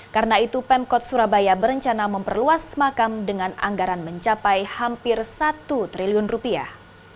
karena itu pemkot surabaya berencana memperluas makam dengan anggaran mencapai hampir satu triliun rupiah